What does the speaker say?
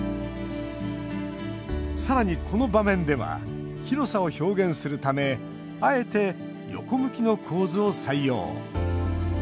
さらに、この場面では広さを表現するためあえて、横向きの構図を採用。